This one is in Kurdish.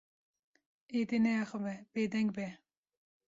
Êdî neaxive, bêdeng be.